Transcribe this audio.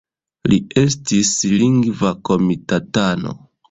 Li estis Lingva Komitatano.